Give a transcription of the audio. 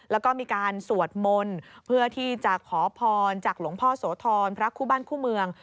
แล้วก็มีการสวดมนต์เพื่อที่จะขอพรจากหลวงพ่อโสธรพระคู่บ้านคู่เมือง